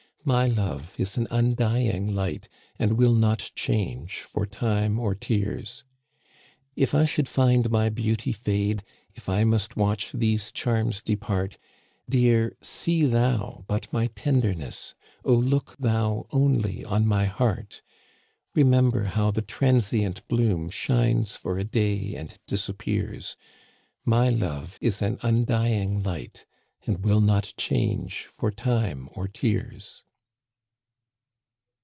My love is an undying light. And will not change for time or tears. If I should find my beauty fade, If I must watch these charms depart, Dear, see thou but my tenderness — Oh, look thou only on my heart I Digitized by VjOOQIC 204 ^^^ CANADIANS OF OLD. Remember bow tbe transient bloom Shines for a day and disappears. My love is an undying light, And will not change for time or tears."